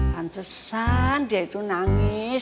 kan susah dia itu nangis